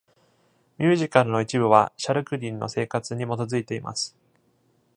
ミュージカルの一部はシャルクリンの生活に基づいています。